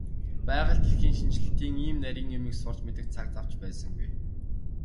Байгаль дэлхийн шинжлэлийн ийм нарийн юмыг сурч мэдэх цаг зав ч байсангүй.